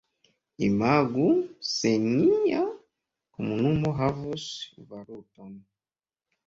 Imagu se nia komunumo havus valuton.